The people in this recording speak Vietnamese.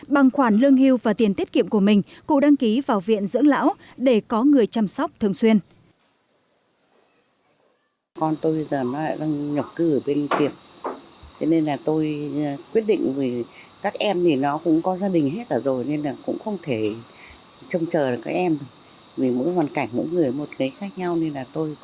bằng khoản lương hưu và tiền tiết kiệm của mình cụ đăng ký vào viện dưỡng lão để có người chăm sóc thường xuyên